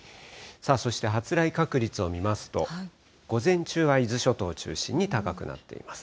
そして発雷確率を見ますと、午前中は伊豆諸島中心に高くなっています。